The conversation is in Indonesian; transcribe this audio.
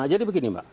jadi begini mbak